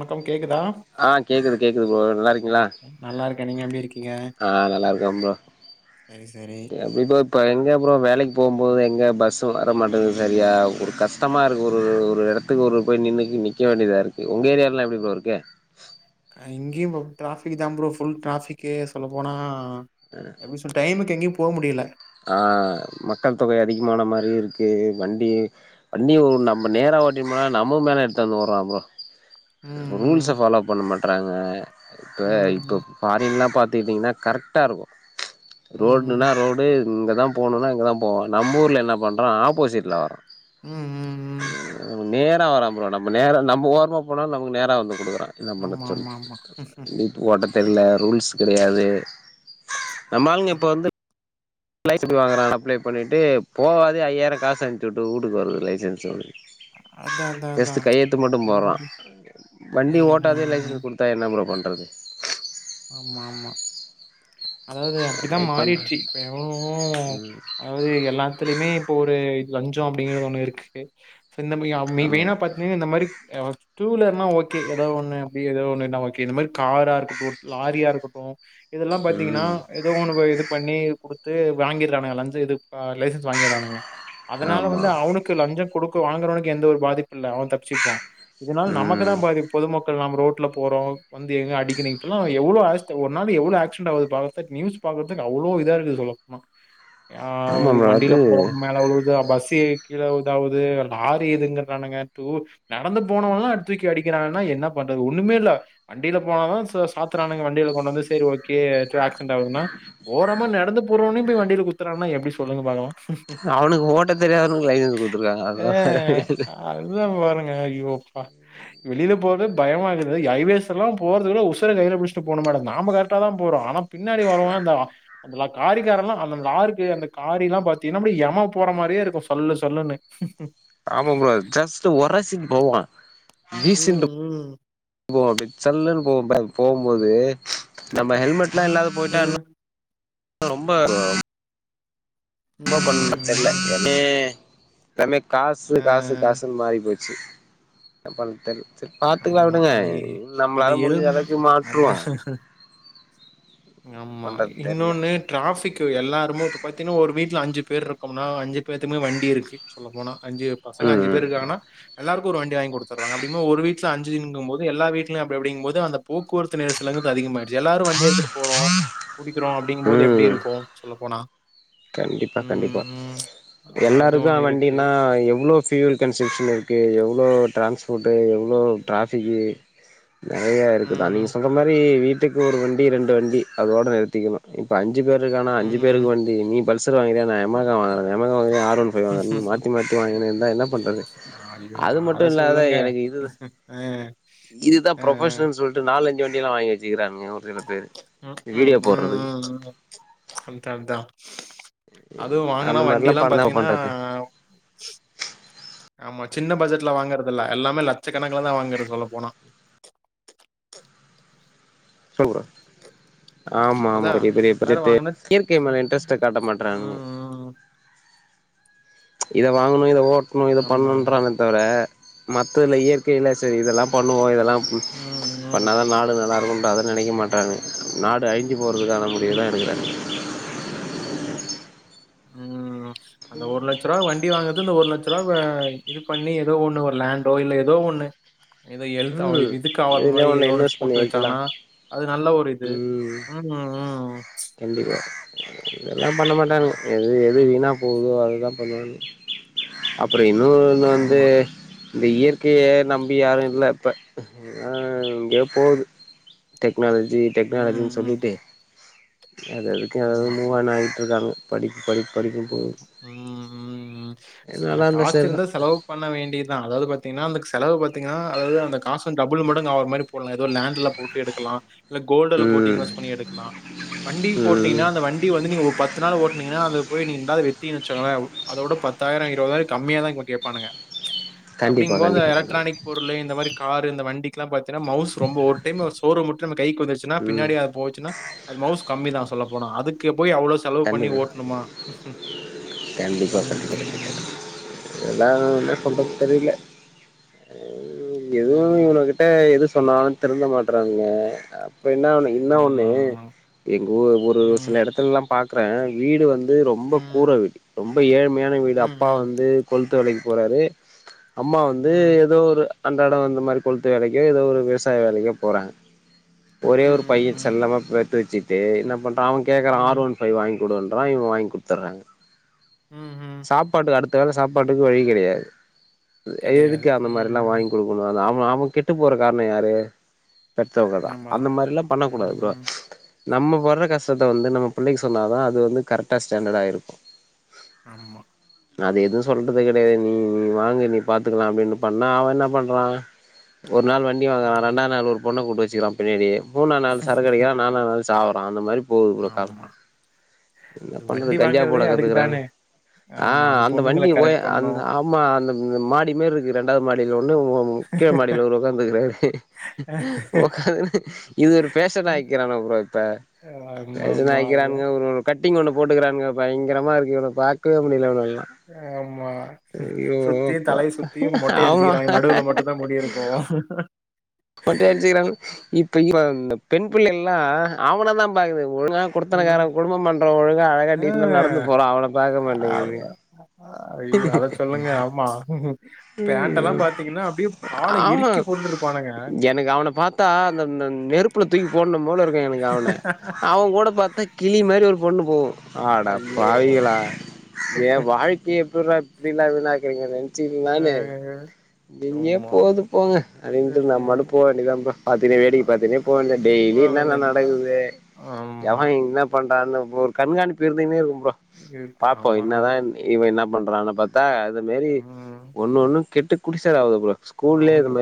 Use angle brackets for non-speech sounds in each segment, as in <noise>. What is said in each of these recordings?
வணக்கம் கேக்குதா ஆஹ் கேக்குது கேக்குது ப்ரோ நல்லா இருக்கீங்களா ஓகே நல்லா இருக்கே நீங்க எப்டி இருக்கீங்க ஆஹ் நல்லா இருக்கே ப்ரோ சரி சரி எப்டி ப்ரோ இப்ப எங்க ப்ரோ வேலைக்கு போம் போது எங்க பஸ்ஸு வர மாட்டேங்குது சரியா ஒரு கஷ்டமா இருக்கு ஒரு ஒரு எடத்துக்கு ஒரு போய் நின்னுக் நிக்க வேண்டியதா இருக்கு உங்க ஏரியாலா எப்டி ப்ரோ இருக்கு இங்கேயும் டிராஃபிக் தா ப்ரோ ஃபுல் டிராஃபிக்கு சொல்ல போனா எப்டி சொல்றது டைம்க்கு எங்கயு போ முடியல ஆஹ் மக்கள் தொகை அதிகமான மாரி இருக்கு வண்டி வண்டியு நம்ம நேரா ஓட்டி போனா நம்ம மேல எடுத்துன் வரா ப்ரோ ம் ரூல்ஸ ம் ஃபால்லோ பண்ண மாட்றாங்க இப்ப இப்ப ம் ஃபோரின்லா பாத் பாத்தீக்டிங்ன்னா கரெக்டா இருக்கு ரோட்ல்லுனா ம் ம் ரோடு இங்கே தா போணுனா இங்கே தா போவா நம்ம ஊர்ல என்ன பண்றா ஆப்போசீட்ல வரா ம் ம் ம் நேரா வரா ப்ரோ நம்ம நேர நம்ம ஓர்மா போனாலும் நமக்கு நேரா வந்து கொடுக்குறான் என்ன பண்ண ஆமா சொல் ஆமா ஆமா <unintelligible> நீட்டு ஓட்ட தெர்ல ரூல்ஸ் கிடையாது நம்மாளுங்க இப்ப வந்து லைஸ்க்கு வாங்கற அப்ளை பண்ணிட்டு போவாது ஐயாயிரம் காசு அனுச்சு விட்டு வூட்டுக்கு வருது லைசன்சு அதா அதா அதா ஜஸ்டு கையெளுத்து மட்டும் அந்த போடுற மாரி ஆ வண்டி ஆ ஓட்டாதே ஆ லைசன்ஸ் கொடுத்தா என்ன ப்ரோ பண் <unintelligible> ஆமா ஆமா அதாவது ட்ரை அப்படித்தான் பண்ற மாறிடுச்சு இப்ப எவளவோ அதாவது எல்லாத்துலயுமே இப்போ ஒரு லஞ்சம் அப்படிங்கறது ஒண்ணு இருக்கு செந்தமிழியா மி ஆமா மெயின் ஆ பாத்தீங்கன்னா இந்த மாரி எவட் டூ விலர்னா ஓகே எதோ ஒன்னு அப்படி எதோ ஒண்ணுன்னா ஓகே இந்த மாரி காரா இருக்கட்டும் லாரியா இருக்கட்டும் இதெல்லா பாத்தீங்கன்னா ம் ஏதோ ஒன்னு இது பண்ணி குடுத் த்து வாங்கிறானுங்க லஞ்சு இது லைசன்ஸ் வாங்கிறானுங்க அதனால ஆமா வந்து அவனுக்கு லஞ்சம் குடு க்கு வாங்குறவனுக்கு எந்த ஒரு பாதிப்பு இல்ல அவன் தப்பச்சுக்குவான் இதனால நமக்கு ம் தான் பாதிப்பு பொதுமக் இப்ப நாம ரோட்ல போறோம் வந்து எங்க அடிக்குநேங் எல்லா எவ்ளோ அக்ஸ்ட் ஒரு நாள் எவ்ளோ ஆக்சிடன்ட ஆகுது பாக் நியூஸ் பாக்குறதுக்கு அவ்வளோ இதா இருக்கு சொல்ல போனா ஆமா ஆஹ் ப்ரோ வண்டியில அது போறவங்க மேல உழுவுத பஸ் த்தி கீழ உழுதாவுது லாரி இதுங்குறானுங்க டூ நடந்து போனவலா தூக்கி அடிக்கிறாங்கன்னா என்ன பண்றது ஒண்ணுமே இல்ல வண்டியில போனாலும் சோஸ் பாத்துறானுங்க வண்டியில கொண்டு வந்து செரி ஓ கே அக்சிடன்ட் ஆகுதுனா ஓரமா நடந்து போறனவனயும் போய் வண்டிய குத்துறாங்கன்னா எப்படி சொ சொல்லுங்க பாக்களா அவனுக்கு ஓட்ட தெரியாதவனுக்கு லைசன்ஸ் குடுத்துருக்காங்க ஆஹ் அதுதா அதுதான் பாருங்க ஐயோப்பா வெளியில போறதே பயமாயிருக்குது மேடம் ஐவேஸ்யேல்லா போறதுவிட ஒர்ஸ்டு உசுற கையில பிச்சிட்டு போனும் மேடம் நாம கரக்டா தான் போறோம் ஆனா பின்னாடி வர்வன்ந்தா அந்துல காரிக்காரல்லா அந்த லாருக்கு அந்த காரில்லா பாத்தீங்கன்னா அப்படி எம போற மாதிரியே இருக்கும் சல்லு சல்லுனு ம் ஆமா ப்ரோ ஜஸ்ட் ஒரைசிட்டு போவான் ஜீசன்ட் ம், ம். போவா அப்டியே சல்லுனு போகு பாருங்க போகும்போது நம்ம ஹெல்மெட் எல்லா இல்லாது அ. போயிட்டா இன்னும் ஆ ரொம்ப ரொம்ப ம், பண்ண ம், தெர்ல ம். யமே தமேக் காசு ஆ காசு காசுனு மாறி போயிரு ச்சு தப்பான் தெல் செரி பாத்துக்கலா ஆமா. விடுங்க அது அந்த நம்மளால முடிஞ்ச எல்ம் எதாச்சு அத மாற்றுவோ ஆமா பண்றது தெர்ல இன்னொனு டிராஃபிக்கு எல்லாருமு இப்ப பாத்தீனா ஒரு வீட்ல அஞ்சு பேர் இருக்கோம்னா அஞ்சு பேத்துக்குமே வண்டி இருக்கு சொல்ல போனா அஞ்சு பசங்க அஞ்சு ம் பேரு இருக்காங்கனா ம் எல்லாரு கு ஒரு வண்டி வாங்கி குடுத்துறாங்க அப்டிங்கு போது ஒரு வீட்ல அஞ்சுங்குனும் போது எல்லா வீட்லயு அப் அப்டிங்கு போது அந்த போக்குவரத்து நெரிசலுங்குது அதிகமாயிது எல்லாரு வண்டி எடுத்துட் குறோ புடிக்கிறோ அப்டிங்கும்போது எப்டி ம் இருக்கும் சொ சொல்ல போனா கண்டிப்பா கண்டிப்பா அது எல்லாருக்கு ஒண்ணு இருக்கு. வண்டினா எவ்ளோ ஃபில் கன்சப்ஷன் இருக்கு எவ்ளோ டிரான்ஸ்போர்டு எவ்ளோ ட்ராஃபிக்கு நெறையா இருக்குதா நீங்க ம், சொல்ற மாரி வீட்டுக்கு ஒரு வண்டி ரெண்டு வண்டி அதோடு நிறுத்திக்கணு இப்ப அஞ் அஞ்சு பேருக்கானா அஞ்சு ம். பேருக்கு வண்டி நீ பல்சர் வாங்கிரியா நா எமகா வாங்றே எமகா வாங் ஆற் ஒன் ஃபைவ் வாங்றது மாத்தி மாத்தி வாங்கினுந்த என்ன பண்றது ஐயோ! அது மட்டு அத இல்லாத சொல்லுங்க. எனக்கு இது அ, இதுதா அ. ப்ரொபஷனல் சொல்டு நாலஞ் டுவண்டிலா வாங்கி வெச்சிக்றார் ங்க ஒரு சில பேர் ம், ம், வீடியோ ம், போடுறது ம். அதுவு வாங்குன வண்டி எல்லா பண்ணா பாத்தீங்கனா பண்றது ஆமா சின்ன பட்ஜெட்ல வாங்கறத இல்ல எல்லாமே லட்சக்கணக்லதா வாங்கறது சொல்ல போனா சொல்ற ஆமா ஆமா அதான் பெரிய பெரிய எல்லாரும் பட்ஜெட்டு வாங்குன இயற்கை சின் மேல இன்ட்ரெஸ்ட்டு காட்ட மாட்டறானுங்க ம். இத வாங்கணு இத ஓ ட்டணு இது ஆமா, ஆமா. பண்னுறானே தவற மத்த இல இயற்கைல செரி இதெல்லா பண்ணுவோ இதெல்லாம் ம், ம். பண்ணாதா நாடு நல்லாருக்கு அத நெனைக்க மாட்றாங்க நாடு அழிஞ்சி போறதுக்கான முடிவு தா எடுக்குறா உம் அந்த ஒரு லட்சம் ரூபா வண்டி வாங்ற ந்து ஒரு லட்ச ரூவாவ இது பண்ணி ஏதோ ஒண்ணு ஒரு லேண்டோ இல்ல ஏதோ ஒண்ணு ஏதோ எல்த அவ ம் இதுக்கு அவாத இதுலயே மாரி ஒன்னு ஏதோ ஒண்ணு இன்வெஸ்ட் பண்ணி போட்டு வைக்கலா வெச்சானா அது நல்ல ஒரு இது ம் உம் உஹ்ம் கண்டிப்பா இதெல்லா பண்ண அ, மாட்டானுங்க எது எது வீனா ம். போகுதோ அதுதா பண்ணுவானுங்க அப்ற இன்னொரு ஒன்னு வந்து ஆமா. இந்த இயற் கயே நம்பி யாரு இல்ல இப்ப அஹ் எங்கயொ போது டெக் னாலஜி ம், டெக்னாலஜின்னு சொல்லிட்டு ம். அததுக்கு அதது மூவ் ஆன் ஆய்ட்ருக்காங்க உ உம் உம் இல்ல நல்லா இருந்தா சரிதா காசிருந்தா செலவு பண்ண வேண்டியதா அதாவது பாத் பாத்தீங்கன்னா அந்தக் செலவு பாத்தீங்கன்னா அதாவது அந்த காசு டபுள் மடங்கு ஆகுற மாரி போடலா ஏதோ லேண்ட்ல போட்டு எடுக்கலா இல்ல கோல்டுல போட்டு ம் இன்வெஸ்ட் பண்ணி எடுக்குலா வண்டி ம் போட்டீங்கன்னா அந்த வண்டி வந்து நீங்க ஓ பத்து நாள் ஓட்னீங்கன்னா அது போய் நீங்க இண்டாது வித்திங்கன் வச்கோங்களே அதோட பத்தாயிரொ இருவதாயிரொ கம்மியா தா இவங்க கேப்பானுங்க கண்டிப்பா அப்டிங்ம்போது கண்டிப்பா கண்டிப்பா எலக்ட்ரானிக் பொருளு இந்த மாரி கார் இந்த வண்டிக் எல்லா பத் தீனா மவுஸ் ரொம்ப ஒரு டைம் சோறு மட்டு நம்ம கைக்கு வந்துச்சுன்னா ம் பின்னாடி ஆ போச்சுனா அது மவுஸ் கம்மி தா சொல்ல போனா அதுக்கு போய் அவ்ளோ செலவு பண்ணி கண்டிப்பா ஓட்டணுமா கண்டிப்பா ம், கண்டிப்பா ம். இதெல்லா என்ன சொல்றது தெரில உம் எதுவு அதான்டா இவங்ககிட்ட எதுச் சொன்னாலு திறுந்த மாட்றாங்க இப்ப என்ன ஒண்ணு என்ன ஆமா ஒண்ணு ஆமா எங்க ஊ ஒரு ம் சில எடத்துலல்லா பாக்கறே வீடு வந் து ரொம்ப ம் கூற வீடு ரொம்ப ஏழ் மையான வீடு ம் அப்பா ம் வந்து கொல் துவேலைக்கு போறாரு அம்மா வந்து ம் ஏதோ ஒரு அந்த எடொ அந்த மாரி கொளுத்து வேலைக்கொ ஏதோ ஒரு விவசாய வேலைக்கோ போறாங்க ம் ஒரே ஒரு பைய ம் செல்லமா பெத்து வெச்சுட் டு என்ன பண் ரா அவ கேக்குறா ஆர் ம் ஒன் ஃபை வாங்கி குடுன்றா இவே வாங்கி குடுத்தற்றே ம் ம் சாப்பாடு அடுத்து கால சாப்பாட்டுக்கு வழி கெடையாது எ கிடையாது எதுக்கு அந்த ம் மாரிலா ம் வாங்கி குடுக்கணு அது அவம் அவ கெட்டு போற காரணோ யாரு பெத்தவங்கதா ஆமா அந்த மாரில்லா ம் பண்ணக்கூடாது ப்ரோ ம் நம்ம படுற கஷ்டத்த வந்து நம்ம ப புள்ளைக்கு சொன்னாதா அது வந்து கரெக்டா ஸ்டாண்டர்டா இருக்கு ஆமா நா அது எதுவு சொல்றது கெடையாது நீ வாங்கி நீ பாத்துக்கலா அப்டின்னு பண்ணா அவ என்ன பண்றா ஒரு நாள் வண்டி வாங்க வர ம் ரெண்டா நாள் ஒரு பொண்ண கூட்டு வெச் சீரம் பின்னாடி மூணா நாள் சரக்கடிக்கிற நாலா நாள் ச்சாவுரா அந்த மாரிப் போவ் ஆமா <unintelligible> என்ன அது பண்றது வண்டி கஞ்ஜா வாங்குறதே போடா அதுக்கு கத்துக்குறாங்க தானே ஆ ஆமா அந்த பொண்ணுங்களை வண்டி போயி கரெக்ட் அந்த பண்ணும் ஆமா அந்த <unintelligible> மாடி மேர்ருக்கு இண்டாவது மாடியிலோ இன்னு மொக்கமாடில ஒரு உட்காந்திருக்காரு உக்காந்து இது ஒரு பேஷன் ஆக்கிறாங்க புரோ இப்ப ஆமா பிரண்ட் ஆமா அது ஆகிக்கிறாங்க ஒரு ஒரு கட் ட்டிங் ஒன்னு போட்டுக்குறான்ங்க பயங்கரமா இருக்கு இவன பாக்கவே முடியல ஆமா ஐயோ சுத்தியு அப்பா தலயே சுத்தியு மொட்ட ஆமா அடிச்சுக்கிறாங்க நடுவுல மட்டு தா முடியிருக்கூ மொட்ட அடிச்சுக்குறாங்க இப் இப்ப இப்ப இந்த பெண் பிள்ளைளா அவன தா பாக்குது ஒழுங்கா ம் குடுத்தனக்கார குடும்பம் பண்ற ஒழுங்கா அழகா ஆ, டீசன்ட் நடந்து போறோ அவன பாக்க மாட்டேங்குதுங்க அ- ஐயோ பேண்டலா பாத்தீங்கனா அப்டியே கால இறுக்கி போட்டுட்ருப்பானுங்க த்தா அந்த அந்த நெருப்புல தூக்கி போடனு போல இருக்க எனக்கு அவன அவன் கூட பாத்தா கிளி மாரி ஒரு ஒண்ணு போகு ஆட ஐயோ பாவிகளா ஏன் வாழ்க்கைய எப்புரா இப்படில்லா வீணாக்குறீங்க நினச்சு நானு அஹ் எங்கேயோ ஆமா போகுது போங்க அப்டின்ட்டு உம் நம்ம உம் பாட்டுக்கு போக வேண்டிய தான் ப்ரோ பாத்தினே வேடிக்கு பாத்தனே போ வேண்டிய டெய்லி போக என்னென்ன வேண்டியதுதான் நடக்குது ஆமா எவன் என்ன பண்ற தான இப்போ ஒரு கண்காணிப்பு இருந்தினே இருக்கு ப்ரோ இருக்கு பாப்போம் ஆமா என்னதான் இவ என்ன பண்றாங்க பாத் தா அது மெரி உம் ஒன்னு கேட்டு குட்டிசெவுரு ஆவது ஆமா ப்ரோ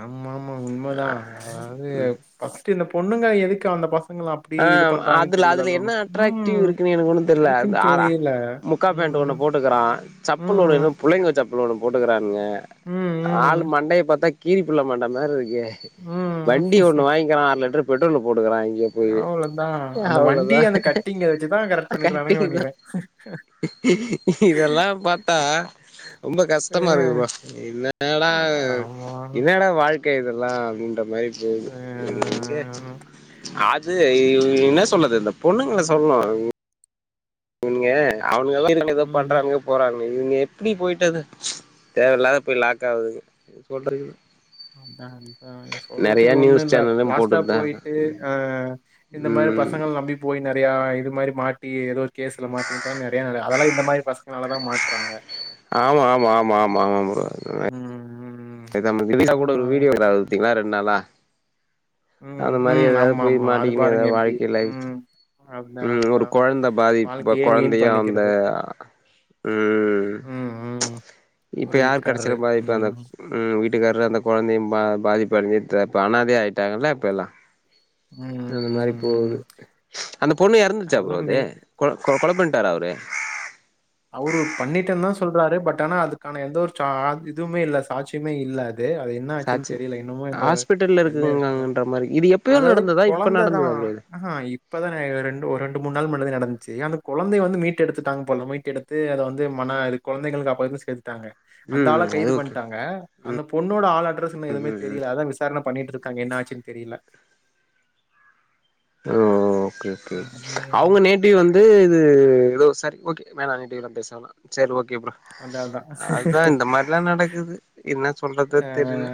ஆமா ஆமா உண்மதான் அதாவது ஃபர்ஸ்ட் என்ன பண் பொண்ணுங்க எதுக்கு அந்த பச ஆ அதுல அதுல என்ன அட்ராக்டிவ் உம் இருக்குன்னு எனக்கு ஒண்ணு தெரியல அது இருக்குன்னு ஆற தெரியல முக்கா பேண்ட்டு ஒண்ணு உம் போட்டுக்கிறான் சப்பல் ஒண்ணு இன்ன உம் புள்ளைங்க சப் சப்பல் ஒண்ணு போட்டுக்கிறான் ங்க உம் உம் ஆள் மண்டைய பாத்தா கீரி புள்ள மண்ட மாரி இருக் கே உம் வண்டி ஒண்ணு வாங்கிறா அர லிட்டரு பெட்ரோல போ போட்டுக்கிறா இங்க போயி அவ்ளோதா அந்த வண்டி அந்த கட்டிங்க வச்சுதான் கரெக்ட் பண்ணிறானுகன்னு கட்டிதா நினைக்கிறேன் இதெல்லா பாத்தா ரொம்ப கஷ்டமா இருக்கு ப்ரோ என்னடா ஆமா என்னடா வாழ்க் க்கு இதெல்லா அப்டின்ற மாரி <unintelligible> எங்க அஹ் ஆஸ் து இவங்க என்ன சொல்ல இந்த இந்த பொண்ணுங்கள சொல்னு நீங்க அவனுகளா இருக்குன்னு ஏதோ உம் பண்றானுங்க போறானு இவங்னே எப்படி போயிட்டது ச்சு தேவயில்லாத போய் லாக் ஆகுதுங்க ஏதும் சொல்றதுக்கு இல்ல ஆம் தான் ஆ ஏ சொல்றத்துக்கு ஒண்ணு நியூஸ் இல்ல சேனலும் லாஸ்டா போட்டுட்டு தா இருக்கா போயிட்டு ஆ ஆ இந்த மாரி ம் பசங்கள நம்பி போய் நெறையா இது மாரி மாட்டி ஏதோ கேஸ்ல மாட்டின்ட்டா நெறையா நெறையா அதெல்லா இந்த மாரி பசங்களால தான் மாட்டுறாங்க ஆமா ஆமா ம் உண்மயாலுமே இது நம்ம திடீா கூட ஒரு வீடியோ எதாவது எடுத்தீங்ளா ரெண்டு நாளா உம் அந்த மாரி உம் எதாவது ஆமா போய் ஆமா அது மாட்டிக்கின்னு எதா பாருங்க எப்படி வாழ்க்கைல லைஃவ் உம் அதுதான் ம் ஒரு அதுதான் கொழந்த பாதிப்பு வாழ்க்கையே வீண் கொழந்தைய அந்த பண்ணிக்கிறது ம் உம் ப்ச் உம் இப்ப ஒரு யாரு வீட்டுக்காரரு கடைசில பாதிப்பு அந்த உம் வீட்டுக்காரு அந்த கொழந்தையும் பா பாதிப்பு அடஞ்சிட்ற அனாத ஆயிட்டாங்கல்ல இப்ப எல்லா உம் அந்த மாரி உம் போது உம் அந்த பொண்ணு இறந்துருச்சா ப்ரோ அதெல்லாம் அது கொ கொ கொல பண்டாரா அவரு அவரு பண்ணிட்டேன்தா சொல்றாரு பட் ஆனா அதுக்கான எந்த ஒரு சா இதுமே இல்ல சாட்சியமே இல்ல து அது என்ன ஆச்சுன் சாச்சு தெரில இன்னமு இந்த ஹாஸ்பிட்டல்ல என்ன சொல்றது இருக்குங்கன்ற மாரி இது எப்பயோ அதாவது நடந்ததா இப்ப கொழந்ததா நடந்ததா ப்ரோ இது ம்ஹு இப்பதா எ ரெண்டு ஒரு ரெண்டு மூண் நாள் முன்னதே நடந் சேரி அந்த கொழந்தய வந்து மீட்டு எடுத்துட்டாங்க போலமி மீட்டெடுத்து அத வந்து மன இது கொழந்தைகள் காப்பகத்தில் சேத்து டாங்க அந்த ஆள ம் அது கைது ஓகே பண்டாங்க அந்த பொண்ணோட ஆள் அட்ரஸ் இன்னு ம் எதுமே ம் ம் தெரில அதா விசாரன பண்ணிட்டு இரு க்கு என்ன ஆச்சுனு தெரில ஓ ஓகே ஓகே அவுங்க நேட்டிவ் வந்து து ஏதோ சரி ஓகே வேணா நெகட்டிவ் எல்லா பேச வேணா சேர் ஓ அதா அதா நடக்குது என்ன சொல்றது தெரில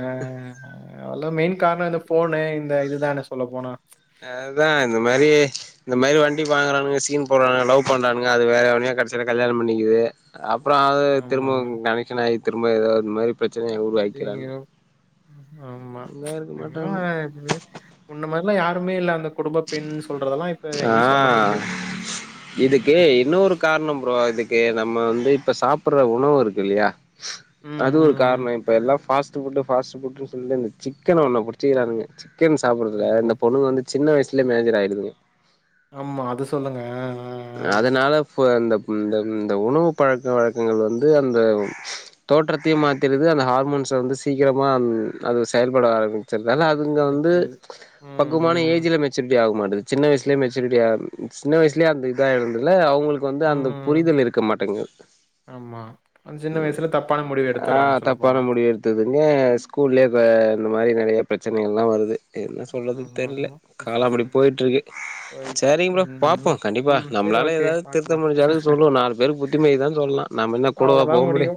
எல்லா மெய்ன் காரணோ இந்த போனு இந்த இதுதான சொல்ல போனா அதா இந்த மாரி இந்த மாரி வண்டி வாங்குறானுங்க சீன் போடுறானுங்க லவ் பண்றானுங்க அது வேற எவனையோ கடைசில கல்யாணம் பண்ணிக்குது அப் புறோ அது ஆமாங்க. திரும்பவு கனெக்க்ஷன் ஆயி திரும்ப எதாவது மாரி பிரச்சனைய உருவாக்கிறானுங்க <unintelligible> ஆமா ம்ச் நல்லா இருக்க எனக்கு மாட்டானுங்க என்னவோ முன்ன மாரி ள்ள யாருமே இல்ல அந்த குடும்ப பெண் சொல்றதெல்லாம் இப்ப ஆ எங்கேயும் சொல்ல முடியாது. இதுக்கு இன்னு ஒரு கார்ணம் ப்ரோ இதுக்கு நம் ம வந்து இப்ப சாப்பிடற உணவு இருக்கு இல்லையா ம், அது ஒரு ம், ம். கார்ணோ இப்ப எல்லா ஃபாஸ் ட்டு ஃபுட்டு ஃபாஸ்ட்டு ஃபுட்டுன்னு சொல்லினு இந்த சிக்கன ஒன்னு புடிச்சிகிரானுங்க சிக்கன் சாப்பிடறதுல ஐயோ! இந்த பொண்ணுங்க வந்து சின்ன வயசு மேஜர் ஆயிடுதுங்க ஆமா அது சொல்லுங்க எ அதனால ஃபு அந்த இந்த இந்த உணவு பழக்க வழக்கங்கள் வந்து அந்த தோற்றத்தையு மாத்திடுது அந்த ஹார்மோன்ஸ வந்து சீக்கிரமா அது செயல்பட ஆர சிர்தான அதுங்க வந்து வச்சது. ம், பக்குவமான ம். ஏஜ்ல மெச்சுர்ட்டி ஆகுமாட் சின்ன வயசுலயே மெச்சுரிடியா சின்ன வயசுலயே அந்த இத இருந்துல அவுங்களுக் வந்து அந்த ம். புரிதல் இருக்க ஆமா. அந்த சின்ன வயசுல தப்பான முடிவு மாட்டேங்குதுஆ எடுத்துர்றாங்க சொல்லப்போனா. தப்பான முடிவு எடுத்ததுங்க ஸ்கூல்லே அந்த மாரி நறைய பிரச்சனைகள்லாம் வருது என்ன சொல்றதுன் ஆமா, தெர்ல ஆமா. கால அப்டி போயிட்டுருக்கு போயிடுச்சு. சரிங்க ப்ரோ ம், ம். பாப்போம் கண்டிப்பா ம். சரி நம்மளால ஓகே. யேதாவது திருத்த பாக்கலாம். முடிஞ்சாலவுக்கு சொல்லுவோம் நாலு பேருக்கு புத்திமதிதான் சொல்லலாம் நம்ம யென்ன கூடவா போக முடியும்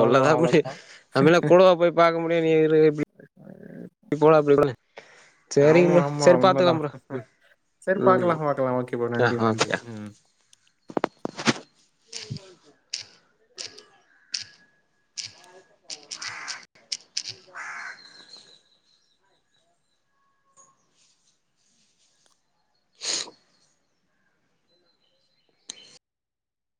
ஆமா முடியும் அவ்வளோதான். நம்ம யென்ன கூடவா போய் முடிய நீ யிரு யிப்டி ஆமா சரிங்க ப்ரோ ஆமா சரி பாத்துக்கலா உண்மதான் ப்ரோ சேரி ம் ம் பாக்கலாம் பாக்கலாம் ஓகேப்பா ஆ நன்றி நன்றி ஓகே ம் <unintelligible>